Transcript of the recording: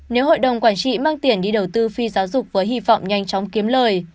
nếu hội đồng quản trị mang tiền đi đầu tư phi giáo dục với hy vọng nhanh chóng kiếm lời